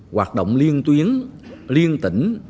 hoạt động liên tuyến liên tỉnh